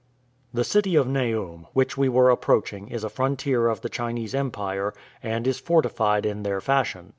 The city of Naum, which we were approaching, is a frontier of the Chinese empire, and is fortified in their fashion.